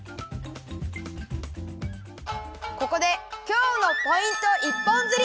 ここで今日のポイント一本釣り！